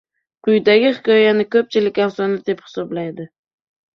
Quyidagi hikoyani koʻpchilik afsona deb hisoblaydi.